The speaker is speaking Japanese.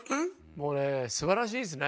もうねすばらしいですね。